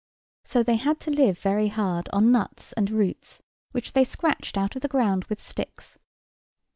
So they had to live very hard, on nuts and roots which they scratched out of the ground with sticks.